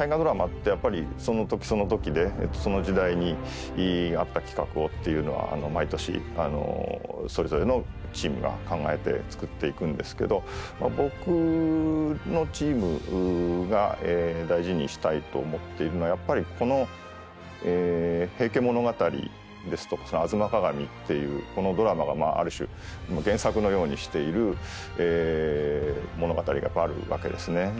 大河ドラマってやっぱりそのときそのときでその時代に合った企画をというのは、毎年それぞれのチームが考えて作っていくんですけど僕のチームが大事にしたいと思っているのは、やっぱりこの「平家物語」ですとか「吾妻鏡」っていうドラマがある種、原作のようにしている物語があるわけですね。